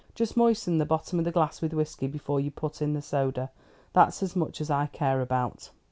Just moisten the bottom of the glass with whisky before you put in the soda. That's as much as I care about."